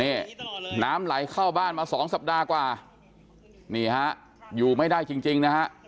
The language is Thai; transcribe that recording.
นี่น้ำไหลเข้าบ้านมาสองสัปดาห์กว่านี่ฮะอยู่ไม่ได้จริงนะฮะ